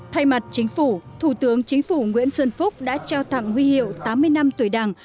thay mặt chính phủ thủ tướng chính phủ nguyễn xuân phúc đã trao tặng huy hiệu tám mươi năm tuổi đảng